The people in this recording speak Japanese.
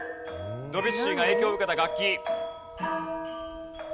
ドビュッシーが影響を受けた楽器。